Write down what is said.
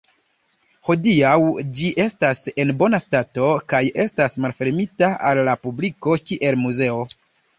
Hodiaŭ ĝi estas en bona stato kaj estas malfermita al la publiko kiel muzeo.